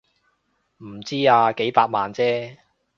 唔知啊，幾百萬啫